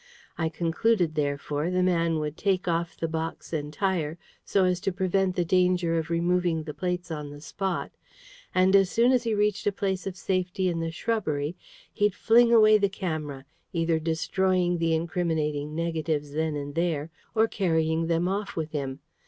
I concluded, therefore, the man would take off the box entire, so as to prevent the danger of removing the plates on the spot; and as soon as he reached a place of safety in the shrubbery, he'd fling away the camera, either destroying the incriminating negatives then and there or carrying them off with him.